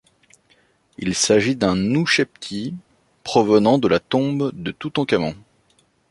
Il s'agit d'un oushebti provenant de la tombe de Toutânkhamon.